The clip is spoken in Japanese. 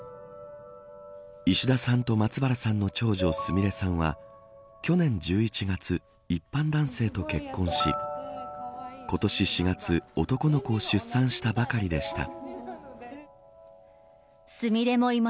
石田さんと松原さんの長女すみれさんは去年１１月、一般男性と結婚し今年４月男の子を出産したばかりでした。